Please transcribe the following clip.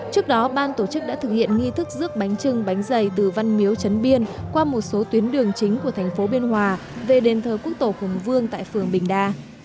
trước đó ban tổ chức đã thực hiện nghi thức rước bánh trưng bánh dày từ văn miếu trấn biên qua một số tuyến đường chính của thành phố biên hòa về đền thờ quốc tổ hùng vương tại phường bình đa